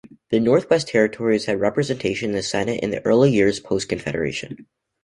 The Northwest Territories had representation in the Senate in the early years post-Confederation.